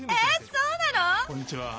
そうなの？